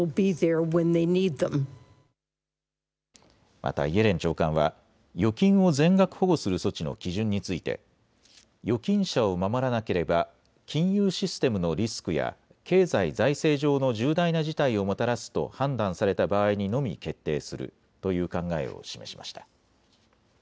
またイエレン長官は預金を全額保護する措置の基準について預金者を守らなければ金融システムのリスクや経済・財政上の重大な事態をもたらすと判断された場合にのみ決定するという考えを示しました。